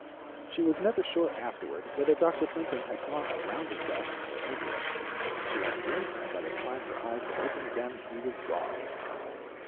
She was never sure afterward whether Dr. Brinton had gone around his desk, or over it. She had blinked and by the time her eyes were open again, he was gone.